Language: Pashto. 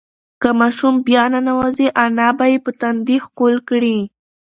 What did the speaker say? که ماشوم بیا ننوځي، انا به یې په تندي ښکل کړي.